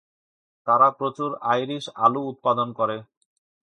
তারা প্রচুর আইরিশ আলু উৎপাদন করে।